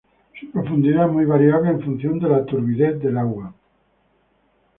Su profundidad es muy variable en función de la turbidez del agua.